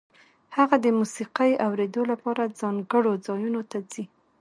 هغه د موسیقۍ اورېدو لپاره ځانګړو ځایونو ته ځي